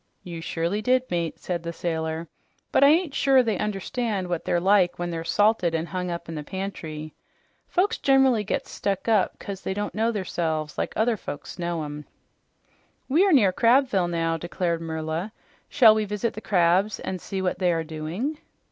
"You surely did, mate," said the sailor, "but I ain't sure they understand what they're like when they're salted an' hung up in the pantry. Folks gener'ly gets stuck up 'cause they don't know theirselves like other folks knows 'em." "We are near Crabville now," declared Merla. "Shall we visit the crabs and see what they are doing?"